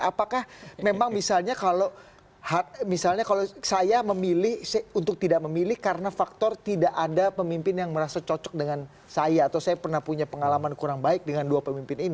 apakah memang misalnya kalau misalnya saya memilih untuk tidak memilih karena faktor tidak ada pemimpin yang merasa cocok dengan saya atau saya pernah punya pengalaman kurang baik dengan dua pemimpin ini